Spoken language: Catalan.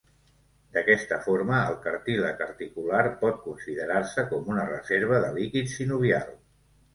D'aquesta forma el cartílag articular pot considerar-se com una reserva de líquid sinovial.